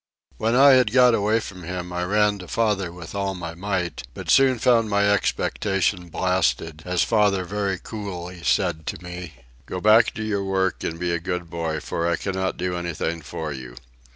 When I had got away from him I ran to father with all my might, but soon found my expectation blasted, as father very coolly said to me, "Go back to your work and be a good boy, for I cannot do anything for you."